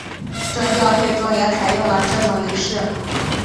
正教会中也采用这种仪式。